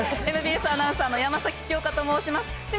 ＭＢＳアナウンサーの山崎香佳と申します。